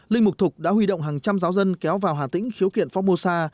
linh mục thục đã huy động hàng trăm giáo dân kéo vào hà tĩnh khiếu kiện phongmosa